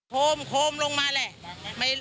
โธมโธมลงมาแหละ